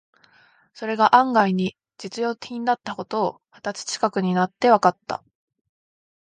それが案外に実用品だった事を、二十歳ちかくになってわかって、